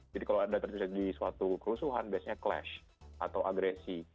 jadi kalau ada terjadi suatu kerusuhan biasanya clash atau agresi